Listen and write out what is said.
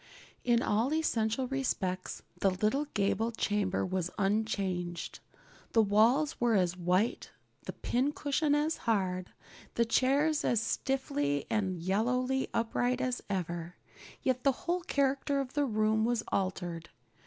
In all essential respects the little gable chamber was unchanged. The walls were as white, the pincushion as hard, the chairs as stiffly and yellowly upright as ever. Yet the whole character of the room was altered.